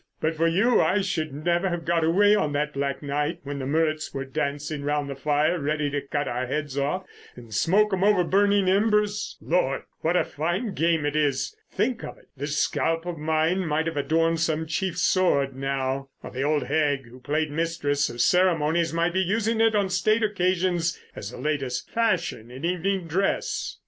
But for you I should never have got away on that black night when the Muruts were dancing round the fire ready to cut our heads off and smoke 'em over the burning embers. Lord, what a fine game it is! Think of it, this scalp of mine might have adorned some chief's sword now; or the old hag who played mistress of ceremonies might be using it on state occasions as the latest fashion in evening dress."